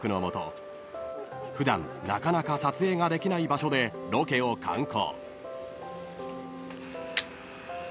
普段なかなか撮影ができない場所でロケを敢行］